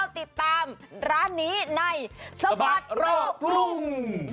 ติดตามร้านนี้ในสบัดรอบกรุง